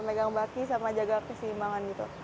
megang baki sama jaga keseimbangan gitu